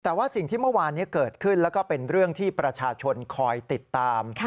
แต่ว่าสิ่งที่เมื่อวานนี้เกิดขึ้นแล้วก็เป็นเรื่องที่ประชาชนคอยติดตาม